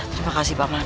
terima kasih pak man